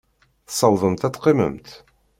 Tessawḍemt ad teqqimemt?